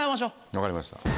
分かりました。